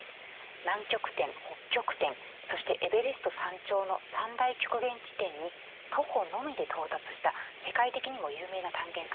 南極点北極点そしてエベレスト山頂の三大極限地点に徒歩のみで到達した世界的にも有名な探検家の方なんですね。